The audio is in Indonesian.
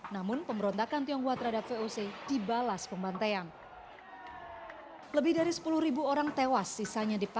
namun pemberontakan tionghoa terhadap voc dibalas pembantaian